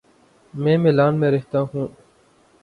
میں میلان میں رہتا ہوں